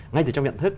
ngay từ trong nhận thức